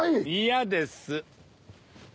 嫌です。